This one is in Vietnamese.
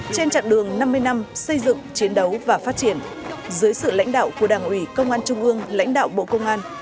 trên chặng đường năm mươi năm xây dựng chiến đấu và phát triển dưới sự lãnh đạo của đảng ủy công an trung ương lãnh đạo bộ công an